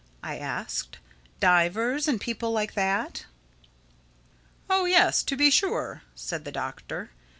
I asked—"divers and people like that?" "Oh yes, to be sure," said the Doctor.